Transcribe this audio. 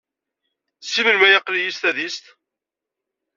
Seg melmi ay aql-iyi s tadist?